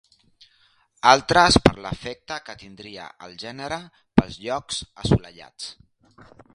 Altres per l'afecte que tindria el gènere pels llocs assolellats.